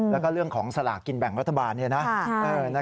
แล้วเรื่องของสลากกินแบ่งราธบาลนี่นะ